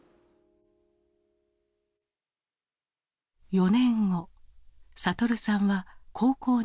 ４年後悟さんは高校に入学。